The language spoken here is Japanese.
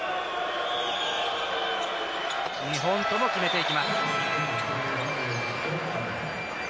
２本とも決めていきます。